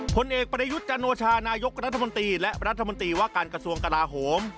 ผลเอกประยุทธ์จันโอชานายกรัฐมนตรีและรัฐมนตรีว่าการกระทรวงกลาโหม